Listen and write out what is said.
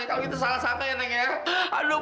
kalo gitu salah sangka ya aduh